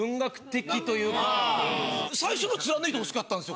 最初の貫いてほしかったんですよ